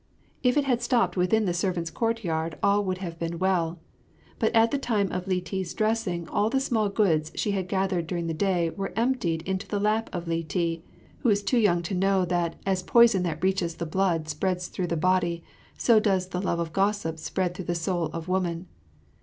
If it had stopped within the servants' courtyard all would have been well; but at the time of Li ti's dressing all the small goods she had gathered during the day were emptied into the lap of Li ti, who is too young to know that "as poison that reaches the blood spreads through the body, so does the love of gossip spread through the soul of woman."